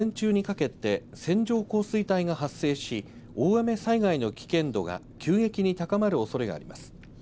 四国ではきょう午前中にかけて線状降水帯が発生し大雨災害の危険度が急激に高まるおそれがあります。